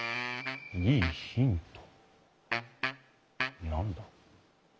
いいヒント何だ？